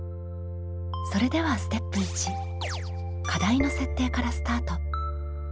それではステップ１課題の設定からスタート。